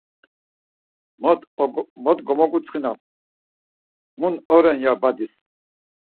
Mot gomoǩuntsxinam, mun oren ya badis.